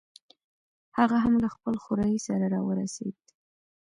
هغه هم له خپل خوریي سره راورسېد.